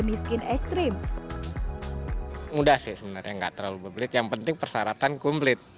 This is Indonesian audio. miskin ekstrim udah sih sebenarnya enggak terlalu komplit yang penting persyaratan kumplit